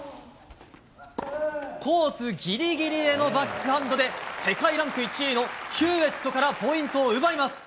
コースぎりぎりへのバックハンドで世界ランク１位のヒューエットからポイントを奪います。